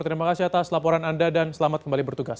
terima kasih atas laporan anda dan selamat kembali bertugas